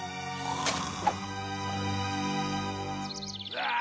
ああ！